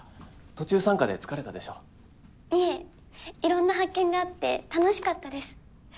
途中参加で疲れたでしょいえ色んな発見があって楽しかったです